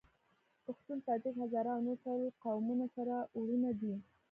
پښتون ، تاجک ، هزاره او نور ټول قومونه سره وروڼه دي.